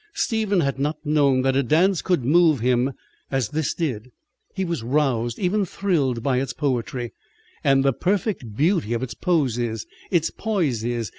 Stephen had not known that a dance could move him as this did. He was roused, even thrilled by its poetry, and the perfect beauty of its poses, its poises.